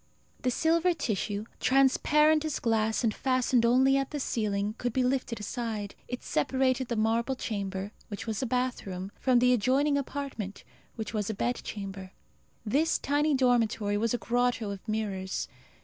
The silver tissue, transparent as glass and fastened only at the ceiling, could be lifted aside. It separated the marble chamber, which was a bathroom, from the adjoining apartment, which was a bedchamber. This tiny dormitory was as a grotto of mirrors.